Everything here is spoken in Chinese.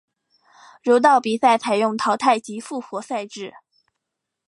柔道比赛采用淘汰及复活赛制。